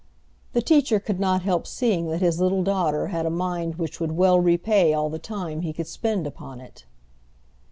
The teacher could not help seeing that his little daughter had a mind which would well repay all the time he could spend upon it.